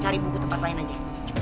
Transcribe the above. cari buku tempat lain aja